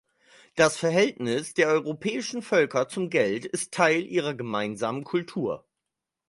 Das Verhältnis der europäischen Völker zum Geld ist Teil ihrer gemeinsamen Kultur.